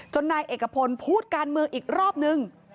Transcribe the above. นายเอกพลพูดการเมืองอีกรอบนึง